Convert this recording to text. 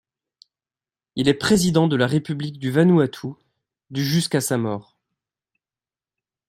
Il est président de la République du Vanuatu du jusqu'à sa mort.